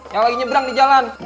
yang lagi nyebrang di jalan